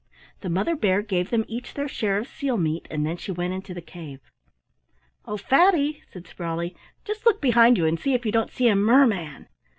The Mother Bear gave them each their share of seal meat, and then she went into the cave. "Oh, Fatty," said Sprawley, "just look behind you and see if you don't see a merman."